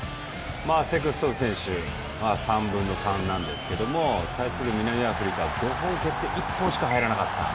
セクストン選手３分の３なんですが対する南アフリカは５本蹴って１本しか入らなかった。